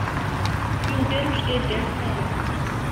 Yugar ujgagal, tara.